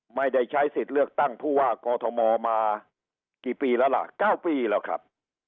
ไม่ได้ใช้สิทธิ์เลือกตั้งผู้ว่ากอทมมากี่ปีแล้วล่ะ๙ปีแล้วครับ